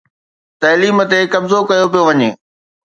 تعليم تي قبضو ڪيو پيو وڃي.